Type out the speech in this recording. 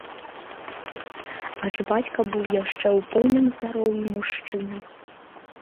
Аж бацька быў яшчэ ў поўным здароўі мужчына.